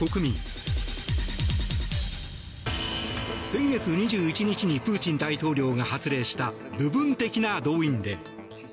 先月２１日にプーチン大統領が発令した部分的な動員令。